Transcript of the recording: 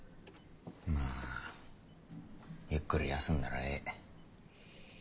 まぁゆっくり休んだらええ。